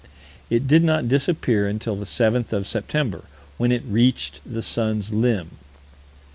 It did not disappear until the 7th of September, when it reached the sun's limb.